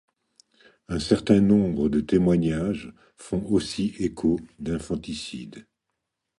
Un certain nombre de témoignages font aussi écho d'infanticides.